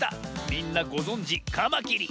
みんなごぞんじカマキリ！